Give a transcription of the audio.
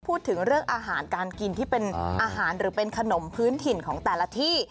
พูดถึงเรื่องอาหารการกินที่เป็นอาหารหรือเป็นขนมพื้นถิ่นของแต่ละที่